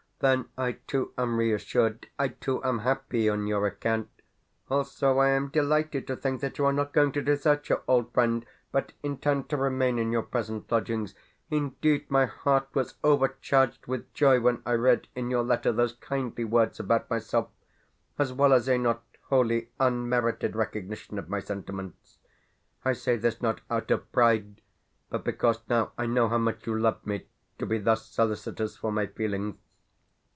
Then I too am reassured, I too am happy on your account. Also, I am delighted to think that you are not going to desert your old friend, but intend to remain in your present lodgings. Indeed, my heart was overcharged with joy when I read in your letter those kindly words about myself, as well as a not wholly unmerited recognition of my sentiments. I say this not out of pride, but because now I know how much you love me to be thus solicitous for my feelings.